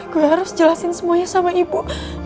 gue harus jelasin semuanya sama ibu